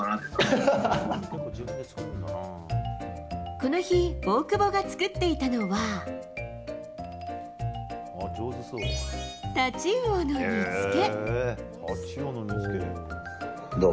この日大久保が作っていたのは太刀魚の煮つけ。